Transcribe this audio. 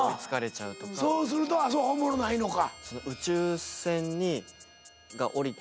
そうするとおもろないのか。